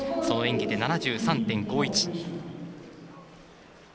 その演技で、７３．５１。